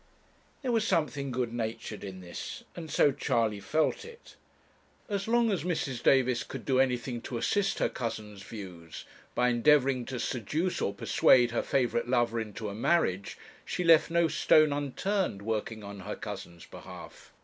There was something good natured in this, and so Charley felt it. As long as Mrs. Davis could do anything to assist her cousin's views, by endeavouring to seduce or persuade her favourite lover into a marriage, she left no stone unturned, working on her cousin's behalf.